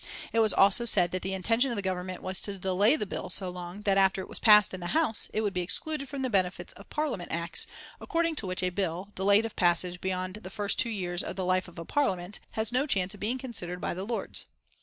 It was also said that the intention of the Government was to delay the bill so long that, after it was passed in the House, it would be excluded from the benefits of the Parliament Acts, according to which a bill, delayed of passage beyond the first two years of the life of a Parliament, has no chance of being considered by the Lords.